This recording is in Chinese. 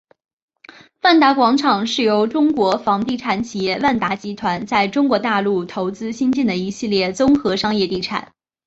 万达广场是由中国房地产企业万达集团在中国大陆投资兴建的一系列综合商业地产。